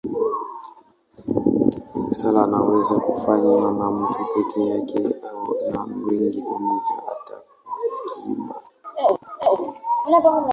Sala inaweza kufanywa na mtu peke yake au na wengi pamoja, hata kwa kuimba.